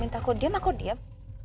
minta ke diam aku diam